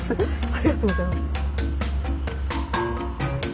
ありがとうございます。